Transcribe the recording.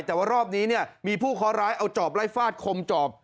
แต่ว่ารอบนี้เนี่ยมีผู้เคาะร้ายเอาจอบไล่ฟาดคมจอบ